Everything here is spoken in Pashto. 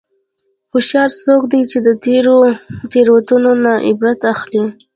هوښیار څوک دی چې د تېرو تېروتنو نه عبرت اخلي.